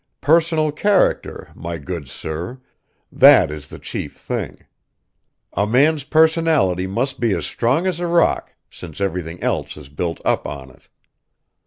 Personal character, my good sir, that is the chief thing; a man's personality must be as strong as a rock since everything else is built up on it.